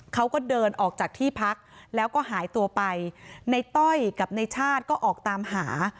เขาก็เดินออกจากที่พักแล้วก็หายตัวไปในต้อยกับในชาติก็ออกตามหา